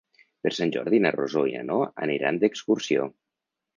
Per Sant Jordi na Rosó i na Noa aniran d'excursió.